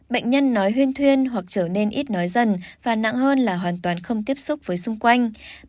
bệnh nhân nói huyên thuyên hoặc trở nên ít nói dần và nặng hơn là hoàn toàn không tiếp xúc với xung quanh